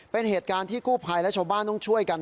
เป็นเหตุการณ์ที่กู้ภัยและชาวบ้านต้องช่วยกัน